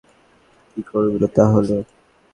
কী করবে তাহলে?